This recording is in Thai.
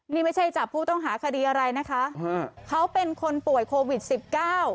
นี่ไม่ใช่จับผู้ต้องหาคดีอะไรนะคะฮะเขาเป็นคนป่วยโควิดสิบเก้า